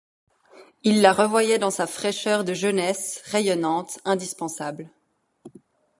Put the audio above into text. Il la revoyait dans sa fraîcheur de jeunesse, rayonnante, indispensable.